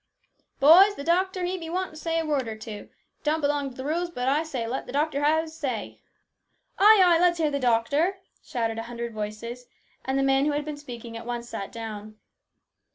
" Boys, the doctor, he be wanting to say a word or two. It don't belong to the rules, but I say let the doctor say his say !"" Ay, ay ! Let's hear the doctor !" shouted a hundred voices ; and the man who had been speaking at once sat down.